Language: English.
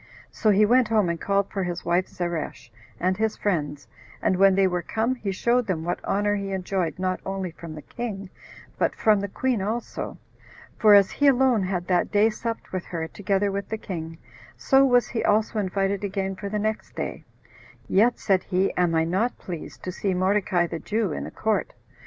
So he went home and called for his wife Zeresh, and his friends, and when they were come, he showed them what honor he enjoyed not only from the king, but from the queen also, for as he alone had that day supped with her, together with the king, so was he also invited again for the next day; "yet," said he, "am I not pleased to see Mordecai the Jew in the court."